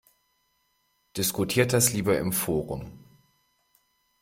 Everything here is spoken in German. Diskutiert das lieber im Forum!